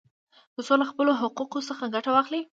ترڅو له خپلو حقوقو څخه ګټه واخلي.